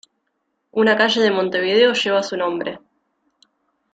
Una calle de Montevideo lleva su nombre.